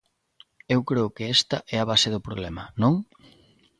Eu creo que esta é a base do problema, ¿non?